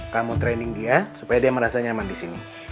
kamu training dia supaya dia merasa nyaman di sini